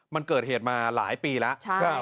มันเกิดเหตุมาหลายปีแล้ว